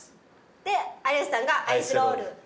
で有吉さんがアイスロール。